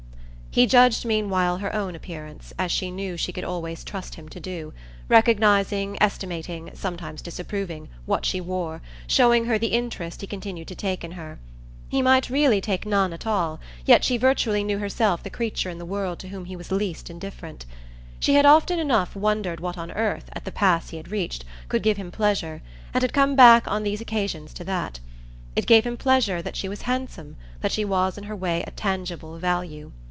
He judged meanwhile her own appearance, as she knew she could always trust him to do; recognising, estimating, sometimes disapproving, what she wore, showing her the interest he continued to take in her. He might really take none at all, yet she virtually knew herself the creature in the world to whom he was least indifferent. She had often enough wondered what on earth, at the pass he had reached, could give him pleasure, and had come back on these occasions to that. It gave him pleasure that she was handsome, that she was in her way a tangible value.